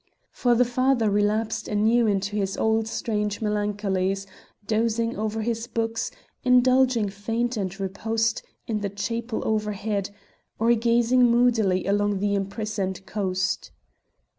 For the father relapsed anew into his old strange melancholies, dozing over his books, indulging feint and riposte in the chapel overhead, or gazing moodily along the imprisoned coast.